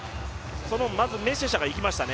まずメシェシャがいきましたね。